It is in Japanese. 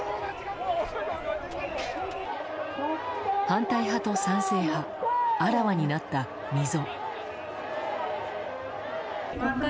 反対派と賛成派あらわになった溝。